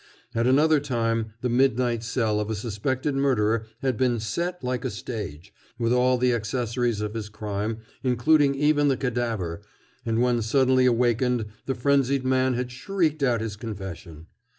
At another time the midnight cell of a suspected murderer had been "set" like a stage, with all the accessories of his crime, including even the cadaver, and when suddenly awakened the frenzied man had shrieked out his confession.